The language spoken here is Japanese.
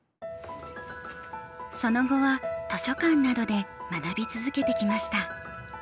その後は図書館などで学び続けてきました。